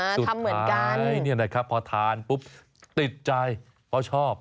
ทำเหมือนกันเนี่ยนะครับพอทานปุ๊บติดใจเพราะชอบ